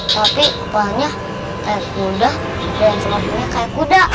tapi kepalanya kayak kuda dan selapunya kayak kuda